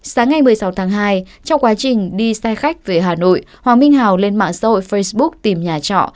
sáng ngày một mươi sáu tháng hai trong quá trình đi xe khách về hà nội hoàng minh hào lên mạng xã hội facebook tìm nhà trọ